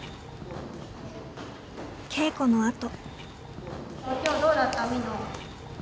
稽古のあと。